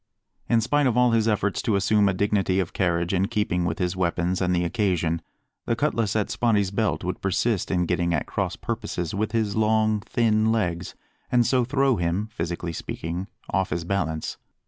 In spite of all his efforts to assume a dignity of carriage in keeping with his weapons and the occasion, the cutlass at Spottie's belt would persist in getting at crosspurposes with his long, thin legs, and so throw him, physically speaking, off his balance.